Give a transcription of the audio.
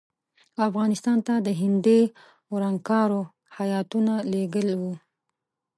او افغانستان ته د هندي ورانکارو هیاتونه لېږل وو.